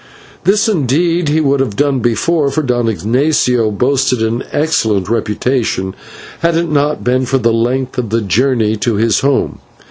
This, indeed, he would have done before, for Don Ignatio boasted an excellent reputation, had it not been for the length of the journey to his home.